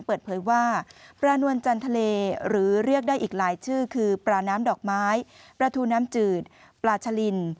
เปิดเผยว่าปลานวลจันทะเลหรือเรียกได้อีกหลายชื่อคือปลาน้ำดอกไม้ปลาทูน้ำจืดปลาชะลิน